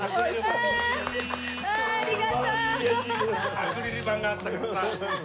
アクリル板があったからさ。